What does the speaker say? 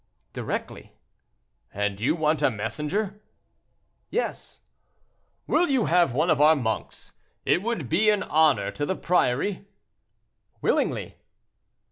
"Directly." "And you want a messenger?" "Yes." "Will you have one of our monks? It would be an honor to the priory." "Willingly."